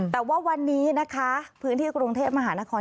แต่ว่าวันนี้นะคะพื้นที่กรุงเทพมหานคร